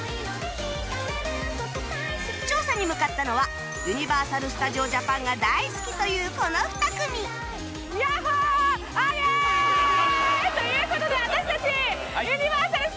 調査に向かったのはユニバーサル・スタジオ・ジャパンが大好きというこの２組やっほ！という事で私たち。